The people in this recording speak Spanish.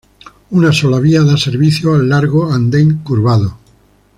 Una sola vía da servicio al largo anden curvado.